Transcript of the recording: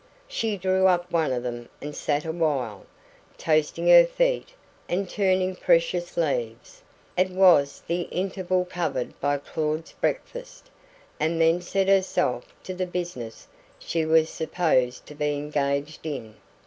She drew up one of them and sat awhile, toasting her feet and turning precious leaves it was the interval covered by Claud's breakfast and then set herself to the business she was supposed to be engaged in.